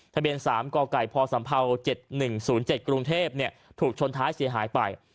ทะเบียน๓กไก่พศ๗๑๐๗กรุงเทพถูกชนท้ายเสียหายไป